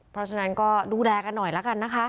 เพราะฉะนั้นก็ดูแลกันหน่อยละกันนะคะ